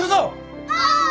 おう。